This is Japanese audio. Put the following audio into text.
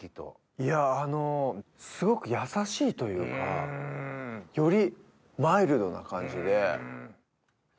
いやあのすごくやさしいというか。よりマイルドな感じで。